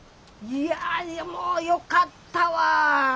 いやでもよかったわあ。